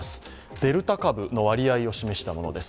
デルタ株の割合を示したものです。